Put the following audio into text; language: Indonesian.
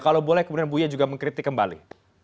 kalau boleh kemudian buya juga mengkritik kembali